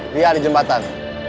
dia di jembatan